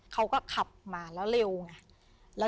เขาก็ขับมาแล้วเร็วไง